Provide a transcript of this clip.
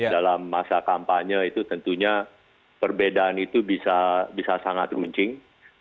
dalam masa kampanye itu tentunya perbedaan itu bisa sangat runcing